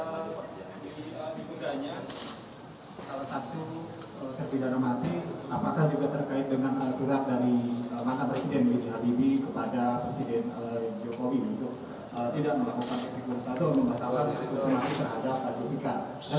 untuk tidak melakukan eksikus satu untuk mengetahui eksikus yang lagi terhadap pak jokowi